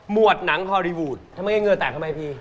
หมวดหนังฮอลลีวูดทำไมเงียนเหงื่อแตกทำไมพี